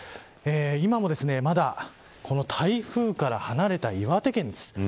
今もまだ台風から離れた岩手県です。